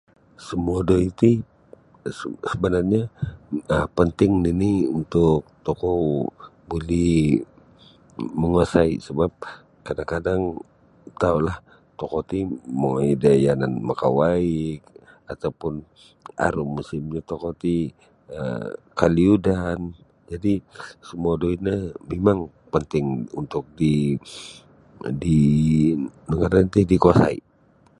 Sumodui ti sabanarnyo penting nini untuk tokou buli manguasai sebab kadang-kadang tau la tokou ti mongoi da yanan maka waig ataupun musimnyo tokou ti um kaliudan jadi sumodui no mimanh penting untuk di-di nu ngaran ti dikuasai.